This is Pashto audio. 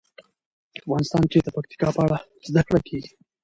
افغانستان کې د پکتیکا په اړه زده کړه کېږي.